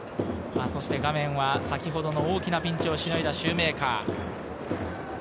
画面は先ほどの大きなピンチをしのいだシューメーカー。